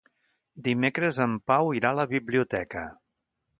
Dimecres en Pau irà a la biblioteca.